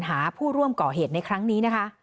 หาผู้ร่วมก่อเหตุในครั้งนี้นะคะ